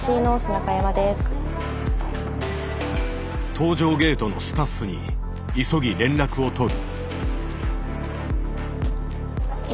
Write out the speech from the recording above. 搭乗ゲートのスタッフに急ぎ連絡をとる。